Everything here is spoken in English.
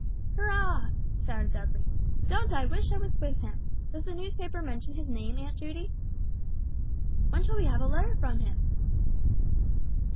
"Hurrah!" shouted Dudley, "don't I wish I was with him! Does the newspaper mention his name, Aunt Judy?" "When shall we have a letter from him?"